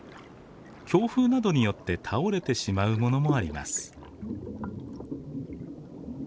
強風などによって倒れてしまうものもあります。